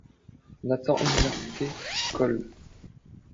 Nathan Université, coll.